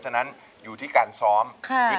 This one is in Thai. ร้องเข้าให้เร็ว